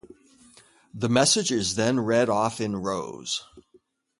The message is then read off in rows.